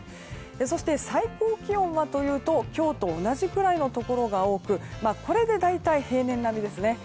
そして最高気温は今日と同じくらいのところが多くこれで大体平年並みですね。